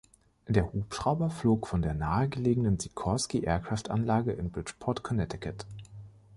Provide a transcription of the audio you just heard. Der Hubschrauber flog von der nahe gelegenen Sikorsky Aircraft-Anlage in Bridgeport, Connecticut.